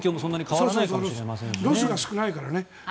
ロスが少ないですからね。